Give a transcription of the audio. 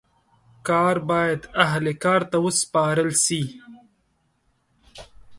کار باید اهل کار ته وسپارل سي.